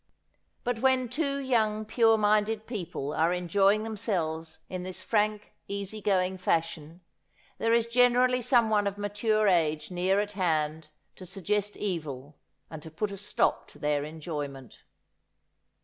But when t ".vo young pure minded people are enjoying them 84 Asphodel. selves in this frank, easy going fashion, there is generally some one of mature age near at hand to suggest evil, and to put a stop to their enjoyment.